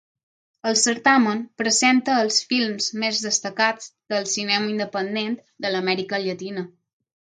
El certamen presenta els films més destacats del cinema independent de l'Amèrica Llatina.